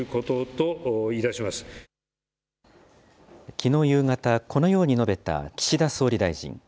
きのう夕方、このように述べた岸田総理大臣。